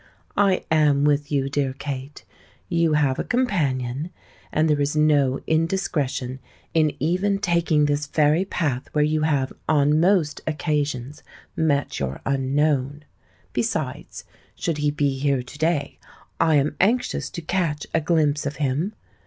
I am with you, dear Kate—you have a companion; and there is no indiscretion in even taking this very path where you have on most occasions met your unknown. Besides, should he be here to day, I am anxious to catch a glimpse of him.